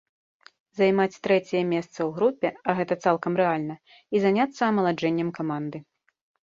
Займаць трэцяе месца ў групе, а гэта цалкам рэальна, і заняцца амаладжэннем каманды.